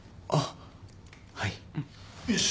あっはい。